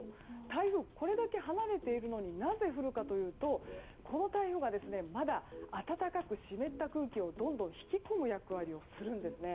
台風はこれだけ離れているのになぜ降るかというとこの台風がまだ暖かく湿った空気をどんどん引き込む役割をするんですね。